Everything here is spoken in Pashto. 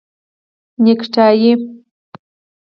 👔 نیکټایې